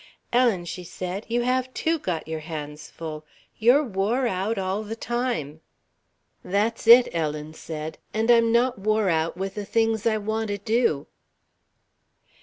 "Ellen," she said, "you have, too, got your hands full. You're wore out all the time." "That's it," Ellen said, "and I'm not wore out with the things I want to do."